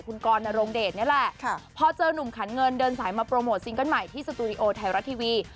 คุณกรนโรงเดชนี่แหละพอเจอนุ่มขันเงินเดินสายมาโปรโมทซิงเกิ้ลใหม่ที่สตูดิโอไทยรัฐทีวี